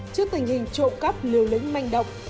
trước tình hình trộm cắp lưu lĩnh manh động